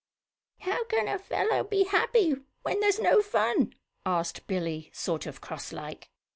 "How can a fellow be happy when there's no fun?" asked Billie, sort of cross like.